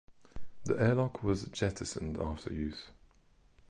The airlock was jettisoned after use.